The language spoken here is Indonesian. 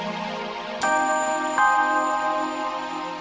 ini emak bukan re rek